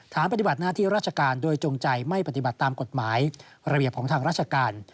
ปฏิบัติหน้าที่ราชการโดยจงใจไม่ปฏิบัติตามกฎหมายระเบียบของทางราชการ